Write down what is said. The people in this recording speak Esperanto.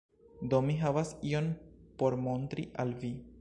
Do, mi havas ion por montri al vi